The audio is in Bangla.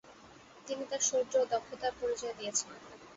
তিনি তাঁর শৌর্য ও দক্ষতার পরিচয় দিয়েছেন।